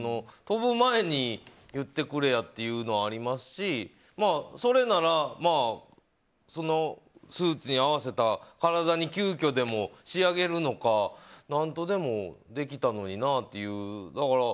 飛ぶ前に言ってくれやっていうのありますしそれなら、そのスーツに合わせた体に急きょでも仕上げるのか何とでもできたのになという。